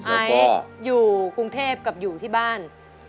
ไอซ์อยู่กรุงเทพกับอยู่ที่บ้าน